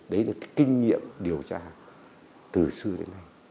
đấy là cái kinh nghiệm điều tra từ xưa đến nay